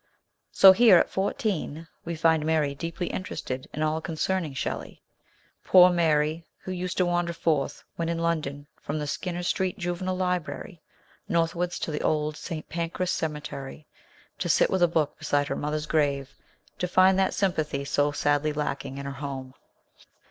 So here, at fourteen, we find Mary deeply interested in all concerning Shelley ; poor Mary, who used to wander forth, when in London, from the Skin ner Street Juvenile Library northwards to the old St. Pancras Cemetery, to sit with a book beside her mother's grave to find that sympathy so sadly Jacking in her home.